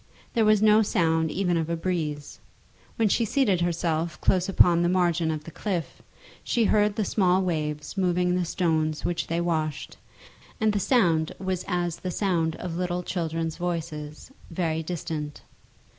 There was no sound even of a breeze. When she seated herself close upon the margin of the cliff, she heard the small waves moving the stones which they washed, and the sound was as the sound of little children's voices, very distant.